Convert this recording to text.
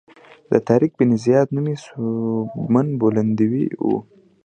طارق بن زیاد نومي سوبمن بولندوی و.